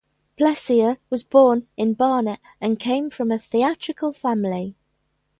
Pelissier was born in Barnet and came from a theatrical family.